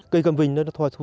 cây cam vinh nó nó thoai thu